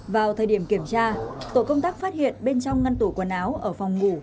vào thời điểm kiểm tra tổ công tác phát hiện bên trong ngăn tủ quần áo ở phòng ngủ